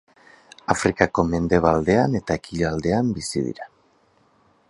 Afrikako mendebaldean eta ekialdean bizi dira.